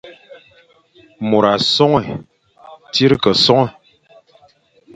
Môr a sonhe, tsir ke sonhe,